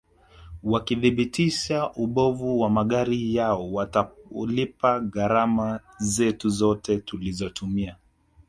wakithibitisha ubovu wa magari yao watalipa gharama zetu zote tulizotumia